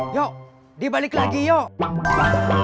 yuk dia balik lagi yuk